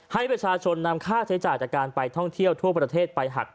ให้ประชาชนนำค่าใช้จ่ายจากการไปท่องเที่ยวทั่วประเทศไปหัก